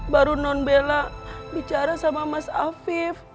baru non bela bicara sama mas afif